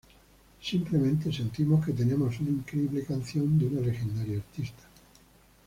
Simplemente sentimos que tenemos una increíble canción de una legendaria artista.